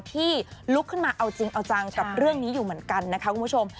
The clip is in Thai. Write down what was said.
ที่ลุกขึ้นมาเอาจริงเอาจังกับเรื่องนี้อยู่เหมือนกันนะคะคุณผู้ชม